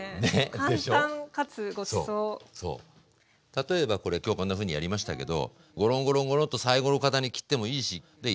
例えばこれ今日こんなふうにやりましたけどゴロンゴロンゴロンとサイコロ形に切ってもいいしで炒めるとか。